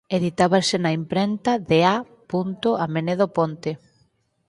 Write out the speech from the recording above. Editábase na imprenta de A. Amenedo Ponte.